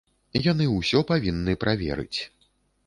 Яны ўсё павінны праверыць.